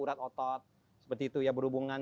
urat otot seperti itu ya berhubungan